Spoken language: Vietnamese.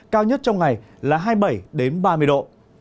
cao nhất trong ngày là hai mươi bảy ba mươi độ